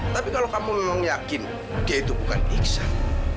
tapi kalau kamu memang yakin dia itu bukan iksan